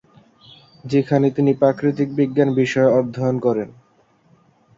যেখানে তিনি প্রাকৃতিক বিজ্ঞান বিষয়ে অধ্যয়ন করেন।